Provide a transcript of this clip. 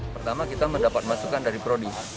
pertama kita mendapat masukan dari prodi